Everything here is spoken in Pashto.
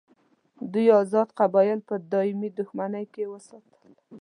دوی آزاد قبایل په دایمي دښمني کې وساتل.